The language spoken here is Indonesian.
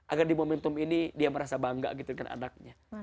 agar di momentum ini dia merasa bangga gitu dengan anaknya